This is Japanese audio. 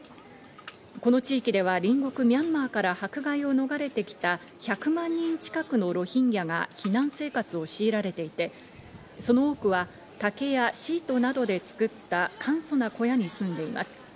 この地域では隣国ミャンマーから迫害を逃れてきた１００万人近くのロヒンギャが避難生活をしいられていて、その多くは竹やシートなどで作った簡素な小屋に住んでいます。